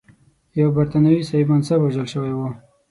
یو برټانوي صاحب منصب وژل شوی و.